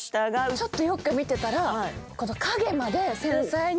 ちょっとよく見てたら。